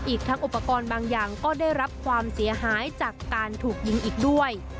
อีกทั้งอุปกรณ์บางอย่างก็ได้รับความเสียหายจากการถูกยิงอีกด้วย